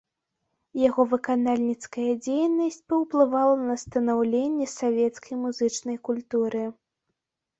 Яго выканальніцкая дзейнасць паўплывала на станаўленне савецкай музычнай культуры.